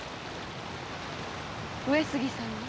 上杉さんも？